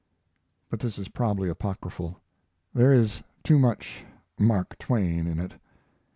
But this is probably apocryphal; there is too much "Mark Twain" in it.